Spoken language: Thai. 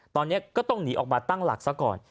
ตอนนี้ก็ต้องหนีออกมาตั้งหลักซะก่อน